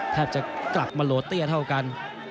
แทบจะกลับมาโหลดเตี้ยเท่ากัน